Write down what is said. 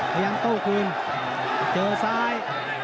พยังโตกลืมเจอซ้าย